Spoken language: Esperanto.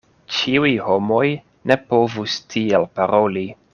Ĉiuj homoj ne povus tiel paroli.